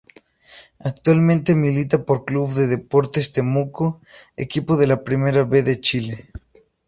Actualmente milita por Club de Deportes Temuco, equipo de la Primera B de Chile.